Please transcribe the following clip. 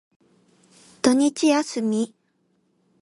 土日休み。